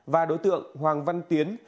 và đối tượng hoàng văn tiến